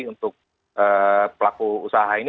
untuk pelaku usaha ini